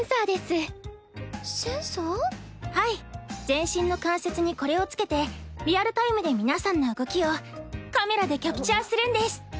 全身の関節にこれを付けてリアルタイムで皆さんの動きをカメラでキャプチャーするんです。